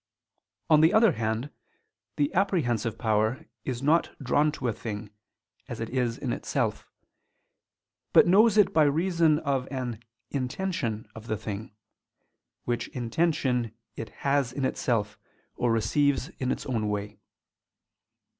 On the other hand the apprehensive power is not drawn to a thing, as it is in itself; but knows it by reason of an "intention" of the thing, which "intention" it has in itself, or receives in its own way.